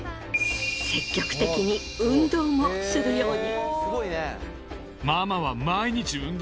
積極的に運動もするように。